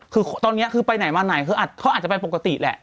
คือตอนนี้คือไปไหนมาไหนคือเขาอาจจะไปปกติแหละ